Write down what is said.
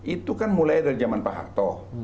itu kan mulai dari zaman pak harto